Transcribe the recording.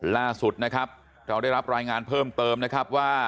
ล่าสุดนะครับเราได้รับรายงานเพิ่มเติมนะครับว่า